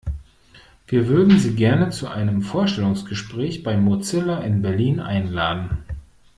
Wir würden Sie gerne zu einem Vorstellungsgespräch bei Mozilla in Berlin einladen!